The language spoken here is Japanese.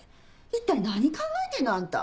一体何考えてんの？あんた。